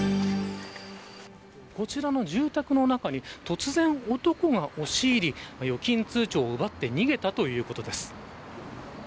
こちらの住宅の中に突然男が押し入り預金通帳を奪って逃げたということです。